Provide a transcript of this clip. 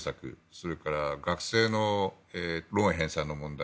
それから学生のローン返済の問題